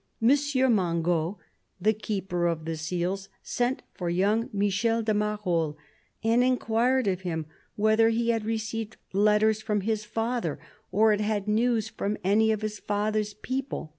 M. Mangot, the Keeper of the Seals, sent for young Michel de Marolles and inquired of him whether he had received letters from his father or had had news from any of his father's people.